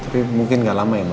tapi mungkin gak lama ya mbak